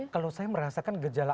kalau saya merasakan gejala